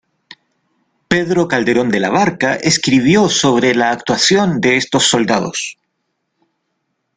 Pedro Calderón de la Barca escribo sobre la actuación de estos soldados.